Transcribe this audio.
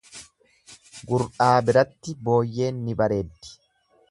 Gur'aa biratti booyyeen ni bareeddi.